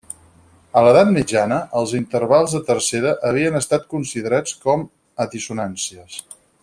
A l'edat mitjana, els intervals de tercera havien estat considerats com a dissonàncies.